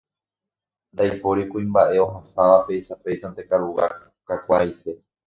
Ndaipóri kuimba'e ohasáva peichapéichante karugua kakuaaite.